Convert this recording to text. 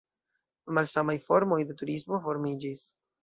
Malsamaj formoj de turismo formiĝis.